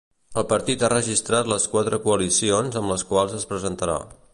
El partit ha registrat les quatre coalicions amb les quals es presentarà.